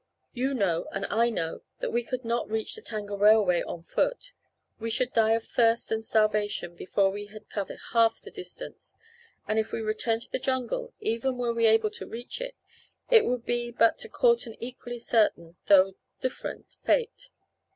You know and I know that we could not reach the Tanga railway on foot. We should die of thirst and starvation before we had covered half the distance, and if we return to the jungle, even were we able to reach it, it would be but to court an equally certain, though different, fate."